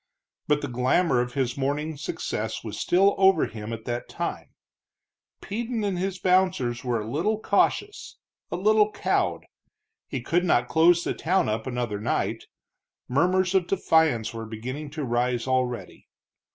But the glamour of his morning's success was still over him at that time; Peden and his bouncers were a little cautious, a little cowed. He could not close the town up another night; murmurs of defiance were beginning to rise already.